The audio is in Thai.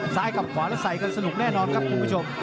กับขวาแล้วใส่กันสนุกแน่นอนครับคุณผู้ชม